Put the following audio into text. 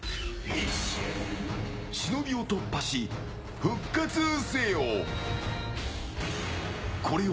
忍を突破し、復活せよ！